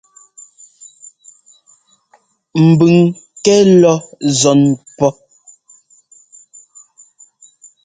Mbʉng kɛ́ lɔ́ nzɔ́n pɔ́.